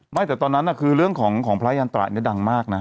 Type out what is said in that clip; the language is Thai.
ไม่แต่ตอนนั้นคือเรื่องของพระยันตราเนี่ยดังมากนะ